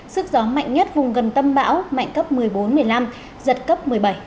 sức gió mạnh nhất vùng gần tâm bão mạnh cấp một mươi bốn một mươi năm giật cấp một mươi bảy